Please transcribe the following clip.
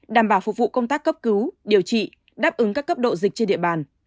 đảm bảo phục vụ công tác cấp cứu điều trị đáp ứng các cấp độ dịch trên địa bàn